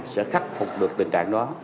sẽ khắc phục được tình trạng đó